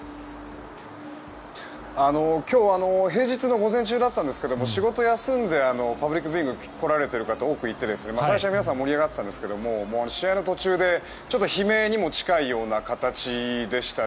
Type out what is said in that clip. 今日は平日の午前中だったんですけど仕事を休んでパブリックビューイングに来られてる方が多くいて、最初は皆さん盛り上がっていたんですが試合の途中で悲鳴にも近いような形でした。